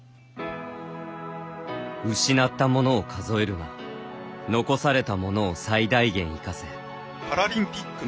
失ったものを数えるな残されたものを最大限生かせ。